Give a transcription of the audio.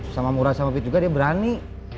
sama murah sama fit juga dia berani